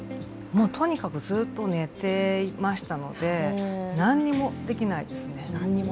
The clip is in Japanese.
とにかくずっと寝てましたので、何にもできないですね。